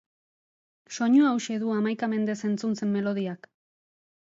Soinu hauxe du hamaika mendez entzun zen melodiak.